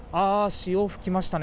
潮を吹きましたね。